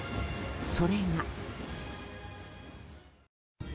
それが。